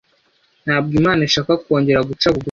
Ntabwo Imana ishaka kongera guca bugufi